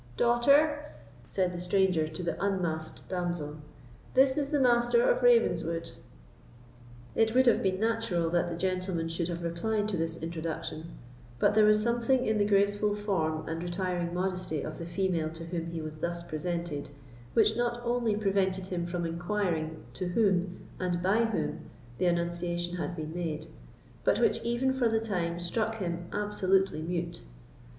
"Daughter," said the stranger to the unmasked damsel, "this is the Master of Ravenswood." It would have been natural that the gentleman should have replied to this introduction; but there was something in the graceful form and retiring modesty of the female to whom he was thus presented, which not only prevented him from inquiring to whom, and by whom, the annunciation had been made, but which even for the time struck him absolutely mute.